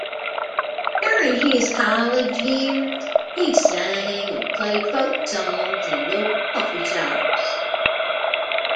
During his college years, he sang and played folk songs in local coffee shops.